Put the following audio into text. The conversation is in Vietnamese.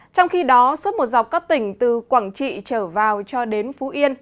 trong khi đó suốt một dọc các tỉnh từ quảng trị trở vào cho đến phú yên